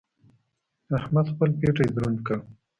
احمد خپل پېټی دروند کړ.